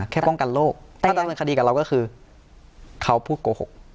ป้องกันโลกถ้าดำเนินคดีกับเราก็คือเขาพูดโกหก